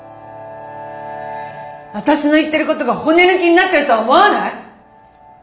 私の言ってることが骨抜きになってるとは思わない？